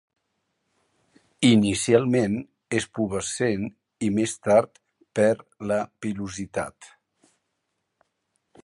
Inicialment és pubescent i més tard perd la pilositat.